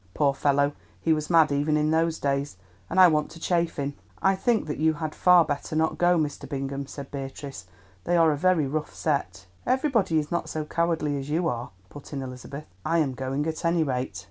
Poor fellow, he was mad even in those days, and I want to chaff him." "I think that you had far better not go, Mr. Bingham," said Beatrice; "they are a very rough set." "Everybody is not so cowardly as you are," put in Elizabeth. "I am going at any rate."